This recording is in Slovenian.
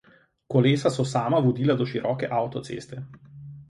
Kolesa so sama vodile do široke avtoceste.